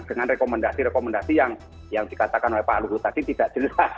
dengan rekomendasi rekomendasi yang dikatakan oleh pak luhut tadi tidak jelas